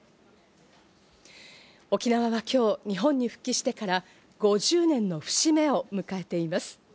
沖縄は今日、日本に復帰してから５０年の節目を迎えています。